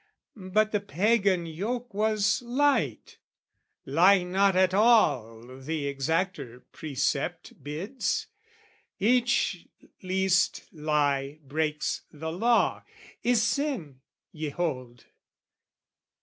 But the Pagan yoke was light; "Lie not at all," the exacter precept bids: Each least lie breaks the law, is sin, ye hold.